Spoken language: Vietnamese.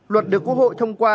luật được quốc hội thông qua